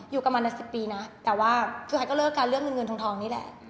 อยู่กับมัน๑๐ปีนะแต่ว่าสุดท้ายก็เลิกการเลือกเงินเงินทองนี่แหละ